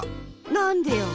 なんでよ！